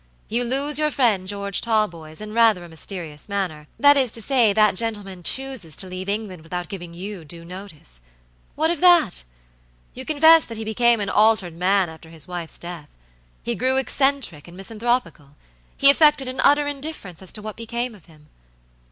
You lose your friend George Talboys in rather a mysterious mannerthat is to say, that gentleman chooses to leave England without giving you due notice. What of that? You confess that he became an altered man after his wife's death. He grew eccentric and misanthropical; he affected an utter indifference as to what became of him.